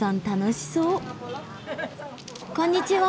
こんにちは。